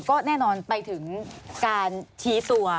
ก็แน่นอนไปถึงการชี้ตัว